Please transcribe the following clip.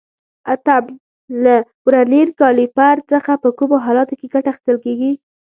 اتم: له ورنیر کالیپر څخه په کومو حالاتو کې ګټه اخیستل کېږي؟